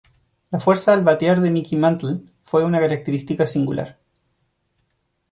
La fuerza al batear de Mickey Mantle fue una característica singular.